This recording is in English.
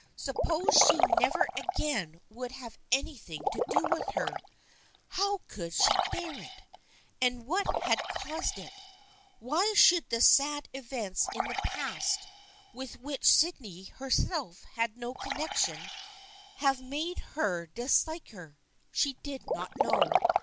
Suppose she never again would have anything to do with her ? How could she bear it? And what had caused it? Why should the sad events in the past, with which Sydney herself had no connection, have made her dislike her? She did not know.